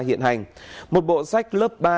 hiện hành một bộ sách lớp ba